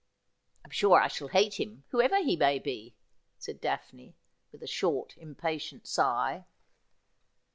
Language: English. ' I'm sure I shall hate him, whoever he may be,' said Daphne, with a short, impatient sigh.